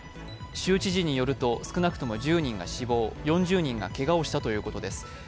州知事によると少なくとも１０人が死亡、４０人がけがをしたということです。